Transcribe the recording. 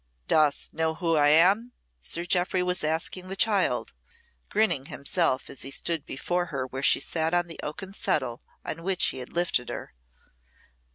"Dost know who I am?" Sir Jeoffry was asking the child, grinning himself as he stood before her where she sat on the oaken settle on which he had lifted her.